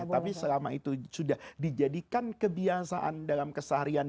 tapi selama itu sudah dijadikan kebiasaan dalam keseharian